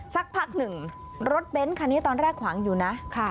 สักพักหนึ่งรถเบ้นคันนี้ตอนแรกขวางอยู่นะ